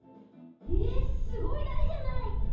ええっすごいだいじゃない！